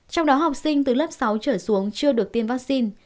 trong đó học sinh từ lớp sáu trở xuống chưa được tiêm vaccine